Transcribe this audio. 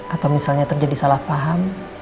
atau misalnya terjadi salah paham